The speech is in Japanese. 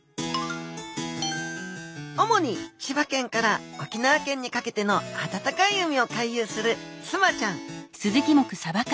主に千葉県から沖縄県にかけての暖かい海を回遊するスマちゃん。